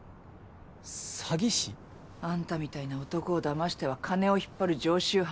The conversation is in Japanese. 詐欺師？あんたみたいな男をだましては金を引っ張る常習犯。